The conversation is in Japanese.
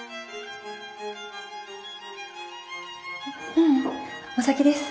ううん。お先です。